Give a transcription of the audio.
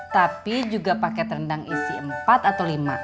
tapi juga paket rendang isi empat atau lima